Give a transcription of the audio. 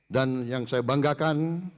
dan yang saya banggakan